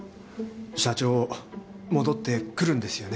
社長戻ってくるんですよね？